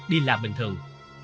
đi làm bình thường